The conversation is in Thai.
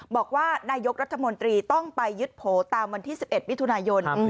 บอกว่านายกรัฐมนตรีต้องไปยึดโผล่ตามวันที่๑๑มิถุนายน